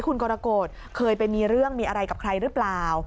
คุณกรกฎเคยไปมีเรื่องมีอะไรกับใครหรือเปล่า